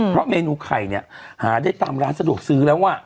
เพราะเมนูไข่เนี่ยหาได้ตามร้านสะดวกซื้อแล้ว